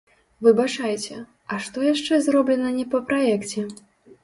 Выбачайце, а што яшчэ зроблена не па праекце?